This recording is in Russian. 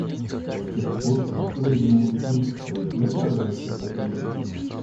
С тех пор прошло двенадцать месяцев, но прогресса так и нет.